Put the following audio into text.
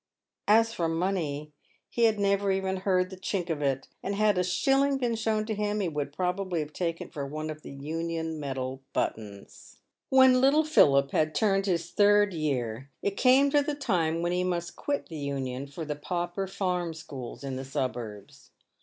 As for money, he had never even heard the chink of it, and had a shilling been shown to him, he would probably have taken it for one of the Union metal buttons. \J "When little Philip had turned his third year, it came to the time when he must quit the Union for the pauper farm schools in the suburbs.